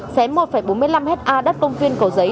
xé một bốn mươi năm ha đất công viên cổ giấy